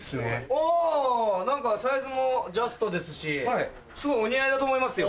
あ何かサイズもジャストですしすごいお似合いだと思いますよ。